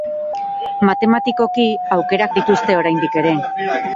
Matematikoki aukerak dituzte oraindik ere.